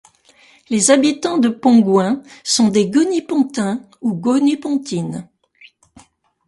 Les habitants de Pontgouin sont des Gonipontins ou Gonipontines.